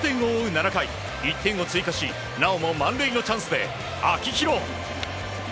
７回１点を追加しなおも満塁のチャンスで、秋広。